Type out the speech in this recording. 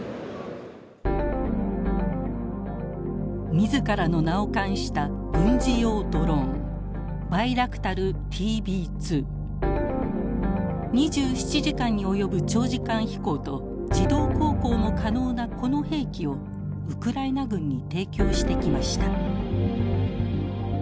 自らの名を冠した２７時間に及ぶ長時間飛行と自動航行も可能なこの兵器をウクライナ軍に提供してきました。